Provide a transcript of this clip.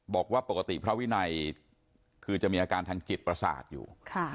บอกว่าปกติพระวินัยคือจะมีอาการทางจิตประสาทอยู่